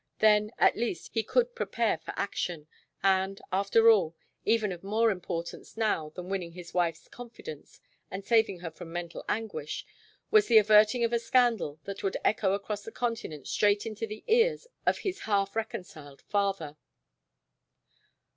Then, at least he could prepare for action, and, after all, even of more importance now than winning his wife's confidence and saving her from mental anguish, was the averting of a scandal that would echo across the continent straight into the ears of his half reconciled father.